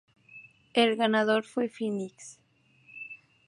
El ganador fue Phoenix.